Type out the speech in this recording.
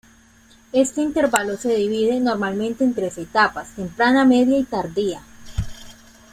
Este intervalo se divide normalmente en tres etapas: temprana, media y tardía.